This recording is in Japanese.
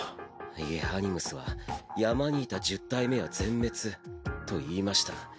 いえアニムスは「山にいた１０体目は全滅」と言いました。